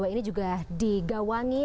ini juga digawangi